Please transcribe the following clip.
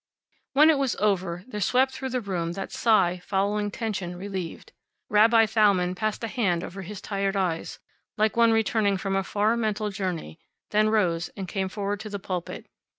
When it was over, there swept through the room that sigh following tension relieved. Rabbi Thalmann passed a hand over his tired eyes, like one returning from a far mental journey; then rose, and came forward to the pulpit.